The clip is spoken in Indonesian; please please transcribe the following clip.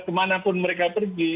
kemana pun mereka pergi